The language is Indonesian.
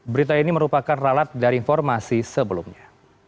berita ini merupakan ralat dari informasi sebelumnya